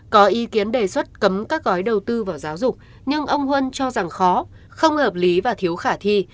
có ý kiến đề xuất cấm các gói đầu tư vào giáo dục nhưng ông huân cho rằng khó không hợp lý và thiếu khả thi